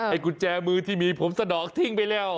กุญแจมือที่มีผมสะดอกทิ้งไปแล้ว